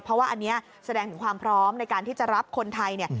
เพราะว่าอันนี้แสดงถึงความพร้อมในการที่จะรับคนไทยเนี่ย